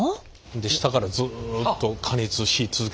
下からずっと加熱し続けてる。